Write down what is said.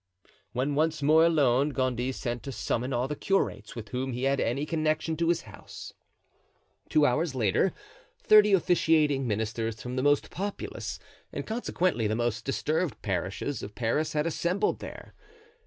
When once more alone Gondy sent to summon all the curates with whom he had any connection to his house. Two hours later, thirty officiating ministers from the most populous, and consequently the most disturbed parishes of Paris had assembled there.